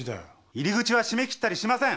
入り口は閉め切ったりしません。